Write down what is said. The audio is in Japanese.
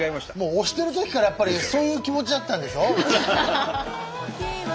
押してるときからやっぱりそういう気持ちだったんでしょ？